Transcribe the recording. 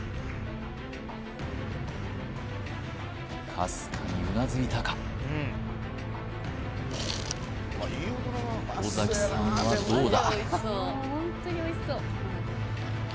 かすかにうなずいたか尾崎さんはどうだ？